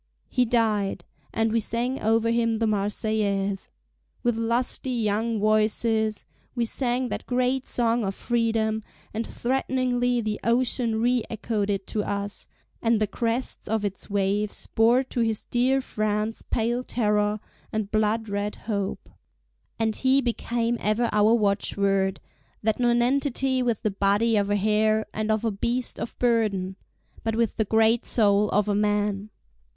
He died, and we sang over him the Marseillaise. With lusty young voices we sang that great song of freedom; and threateningly the ocean re echoed it to us, and the crests of its waves bore to his dear France pale terror, and blood red hope. And he became ever our watchword, that nonentity with the body of a hare, and of a beast of burden—but with the great soul of a man!